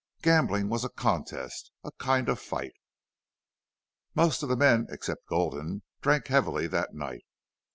Gambling was a contest, a kind of fight. Most of the men except Gulden drank heavily that night.